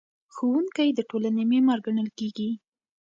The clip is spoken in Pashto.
ښوونکی د ټولنې معمار ګڼل کېږي.